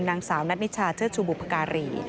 นางสาวนัทนิชาเชิดชูบุพการี